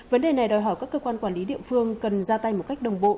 vấn đề này đòi hỏi các cơ quan quản lý địa phương cần ra tay một cách đồng bộ